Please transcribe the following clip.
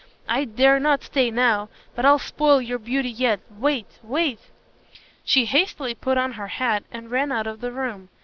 "I dare not stay now. But I'll spoil your beauty yet. Wait wait!" She hastily put on her hat and ran out of the room.